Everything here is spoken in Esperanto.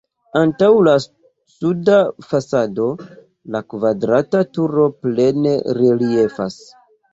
Antaŭ la suda fasado la kvadrata turo plene reliefas.